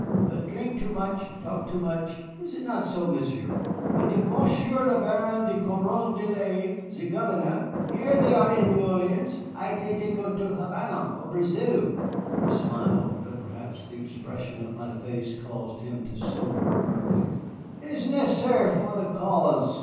But drink too much, talk too much is it not so, Monsieur? And if Monsieur le Baron de Carondelet, ze governor, hear they are in New Orleans, I think they go to Havana or Brazil." He smiled, but perhaps the expression of my face caused him to sober abruptly. "It is necessair for the cause.